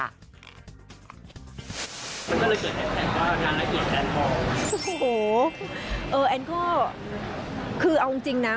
มันก็เลยเกิดให้แฟนว่านางละเอียดแสนทองโอ้โหเออแอนก็คือเอาจริงจริงนะ